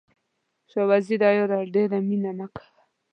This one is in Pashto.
شاه وزیره یاره ډېره مینه مه کوه.